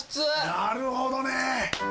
なるほどね。